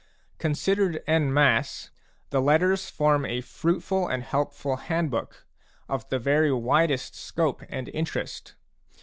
Considered en masse, the letters form a fruitful and helpful handbook, of the very widest scope and interest.